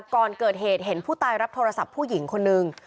ก่อนเกิดเหตุเห็นผู้ตายรับโทรศัพท์ผู้หญิงคนนึง